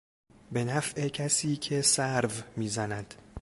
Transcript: به نفع کسی که سرو میزند